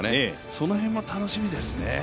その辺も楽しみですね。